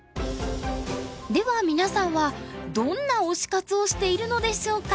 では皆さんはどんな推し活をしているのでしょうか？